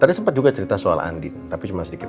tadi sempat juga cerita soal andi tapi cuma sedikit